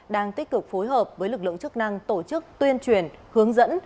đang tích cực phối hợp với lực lượng chức năng tổ chức tuyên truyền hướng dẫn